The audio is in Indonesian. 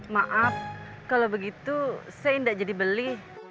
maaf kalau begitu saya tidak jadi beli